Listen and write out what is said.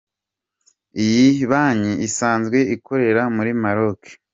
Iyi banki isanzwe ikorera muri Maroc.